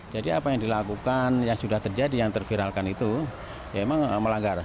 apa yang dilakukan yang sudah terjadi yang terviralkan itu ya memang melanggar